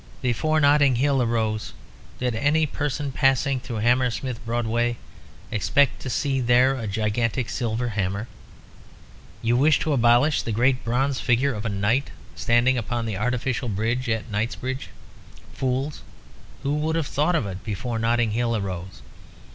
Before Notting Hill arose, did any person passing through Hammersmith Broadway expect to see there a gigantic silver hammer? You wish to abolish the great bronze figure of a knight standing upon the artificial bridge at Knightsbridge. Fools! Who would have thought of it before Notting Hill arose?